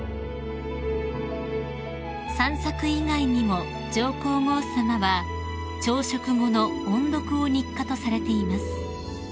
［散策以外にも上皇后さまは朝食後の音読を日課とされています］